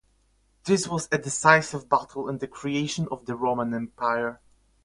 This was a decisive battle in the creation of the Roman Empire.